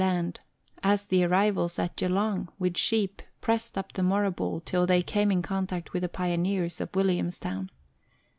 Land, as the arrivals at Geelong, with sheep, pressed up the Moorabool till they came in contact with the pioneers of Williamstown.